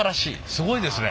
すごいですね。